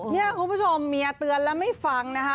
นี่คุณผู้ชมเมียเตือนแล้วไม่ฟังนะคะ